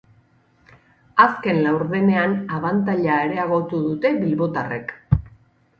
Azken laurdenean abantaila areagotu dute bilbotarrek.